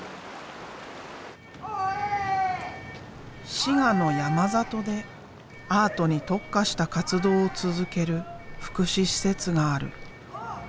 滋賀の山里でアートに特化した活動を続ける福祉施設がある。